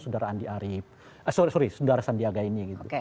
saudara sandi arief